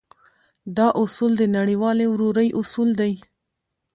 دا اصول د نړيوالې ورورۍ اصول دی.